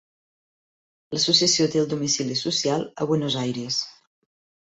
L'associació té el domicili social a Buenos Aires.